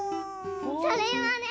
それはね。